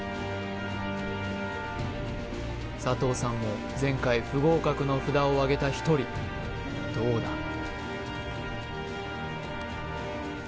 佐藤さんも前回不合格の札をあげた１人どうだ？